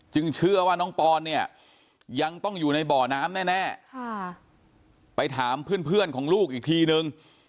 เชื่อว่าน้องปอนเนี่ยยังต้องอยู่ในบ่อน้ำแน่ไปถามเพื่อนของลูกอีกทีนึง